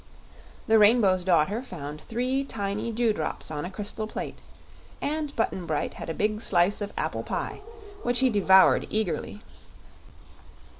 The Rainbow's Daughter found three tiny dewdrops on a crystal plate, and Button Bright had a big slice of apple pie, which he devoured eagerly.